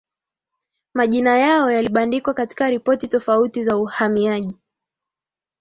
majina yao yalibandikwa katika ripoti tofauti za uhamiaji